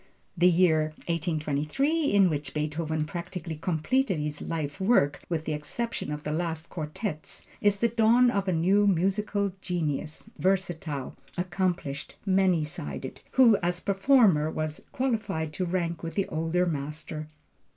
The year 1823 in which Beethoven practically completed his life work (with the exception of the last quartets) is the dawn of a new musical genius, versatile, accomplished, many sided, who as performer was qualified to rank with the older master.